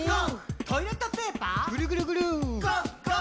「トイレットペーパーＧＯＧＯＧＯ」ぐるぐるぐる！